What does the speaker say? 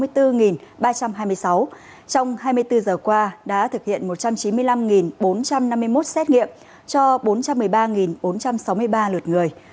trong hai mươi bốn giờ qua đã thực hiện một trăm chín mươi năm bốn trăm năm mươi một xét nghiệm cho bốn trăm một mươi ba bốn trăm sáu mươi ba lượt người